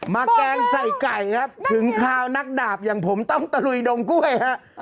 แกงใส่ไก่ครับถึงคาวนักดาบอย่างผมต้องตะลุยดงกล้วยฮะ